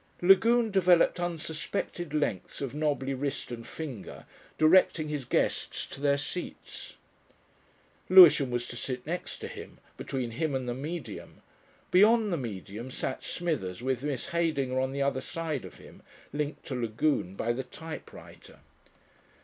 Lagune developed unsuspected lengths of knobby wrist and finger directing his guests to their seats. Lewisham was to sit next to him, between him and the Medium; beyond the Medium sat Smithers with Miss Heydinger on the other side of him, linked to Lagune by the typewriter.